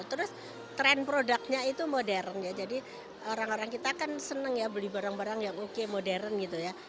terus tren produknya itu modern ya jadi orang orang kita kan seneng ya beli barang barang yang oke modern gitu ya